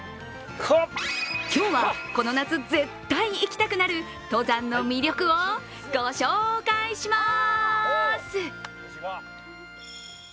今日はこの夏絶対行きたくなる登山の魅力を御紹介します。